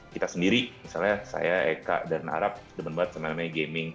kita sendiri misalnya saya eka dan arap demen banget sama namanya gaming